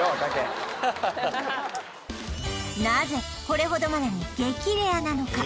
なぜこれほどまでに激レアなのか？